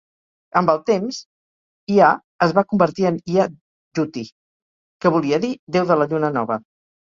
Amb el temps, Iah es va convertir en Iah-Djuhty, que volia dir deu de la lluna nova.